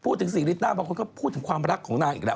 พูดถึงศรีริต้าบางคนก็พูดถึงความรักของนางอีกแล้ว